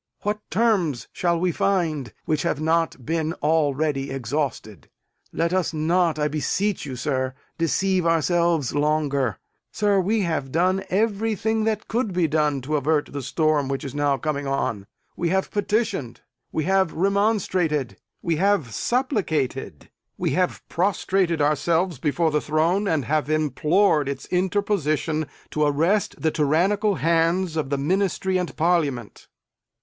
What terms shall we find, which have not been already exhausted? Let us not, I beseech you, sir, deceive ourselves longer. Sir, we have done everything that could be done to avert the storm which is now coming on. We have petitioned; we have remonstrated; we have supplicated; we have prostrated ourselves before the throne, and have implored its interposition to arrest the tyrannical hands of the Ministry and Parliament.